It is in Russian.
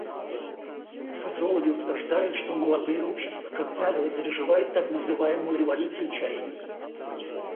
Социологи утверждают, что молодые общества, как правило, переживают так называемую «революцию чаяний».